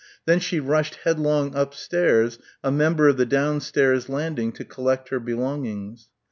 then she rushed headlong upstairs, a member of the downstairs landing, to collect her belongings.